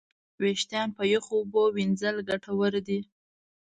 وېښتيان په یخو اوبو وینځل ګټور دي.